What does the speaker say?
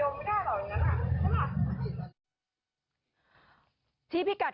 โอ้โฮตอบไม่ได้หรอกว่าใครตอบใครนะ